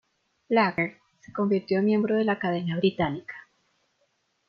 Blacker se convirtió en miembro de la Academia Británica.